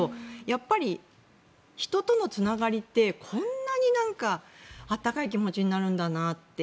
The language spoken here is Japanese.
やっぱり人とのつながりってこんなに温かい気持ちになるんだなって。